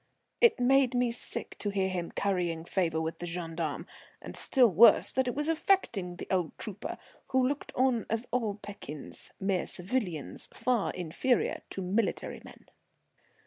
It made me sick to hear him currying favour with the gendarme, and still worse that it was affecting the old trooper, who looked on all as pekins, mere civilians, far inferior to military men.